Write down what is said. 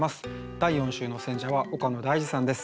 第４週の選者は岡野大嗣さんです。